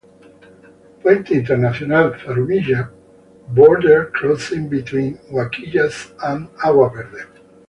"Puente Internacional Zarumilla", border crossing between Huaquillas and Aguas Verdes.